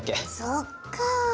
そっか。